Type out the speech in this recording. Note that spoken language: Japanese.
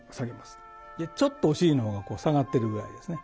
ちょっとお尻の方が下がってるぐらいですね。